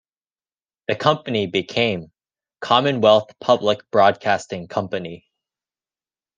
The company became Commonwealth Public Broadcasting Company.